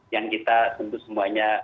yang kita tentu semuanya